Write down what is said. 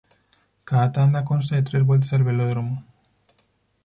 Cada tanda consta de tres vueltas al velódromo.